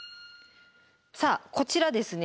さあこちらですね